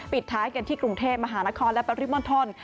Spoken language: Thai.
ปิดท้ายกันที่กรุงเทพมหานครและปริมณฑล